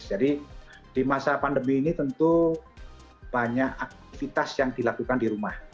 jadi di masa pandemi ini tentu banyak aktivitas yang dilakukan di rumah